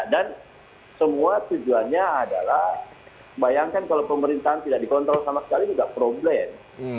dan semua tujuannya adalah bayangkan kalau pemerintahan tidak dikontrol sama sekali itu tidak problem